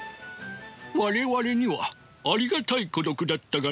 我々にはありがたい孤独だったがね。